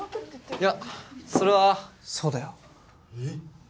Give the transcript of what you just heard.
いやそれはそうだよえっ